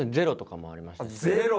ゼロ？